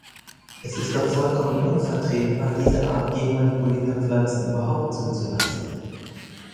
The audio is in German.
Es ist doch vollkommen unvertretbar, diese Art genmanipulierter Pflanzen überhaupt zuzulassen.